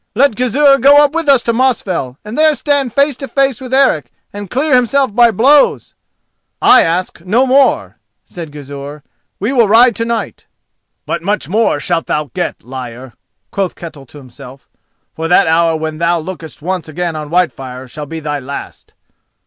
"Let Gizur go up with us to Mosfell, and there stand face to face with Eric and clear himself by blows." "I ask no more," said Gizur; "we will ride to night." "But much more shalt thou get, liar," quoth Ketel to himself, "for that hour when thou lookest once again on Whitefire shall be thy last!"